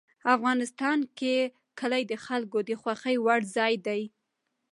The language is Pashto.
افغانستان کې کلي د خلکو د خوښې وړ ځای دی.